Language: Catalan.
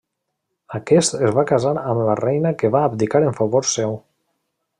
Aquest es va casar amb la reina que va abdicar en favor seu.